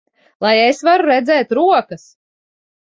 Lai es varu redzēt rokas!